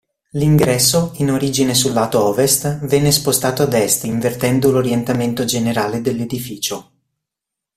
L’ingresso, in origine sul lato ovest, venne spostato ad est invertendo l’orientamento generale dell’edificio.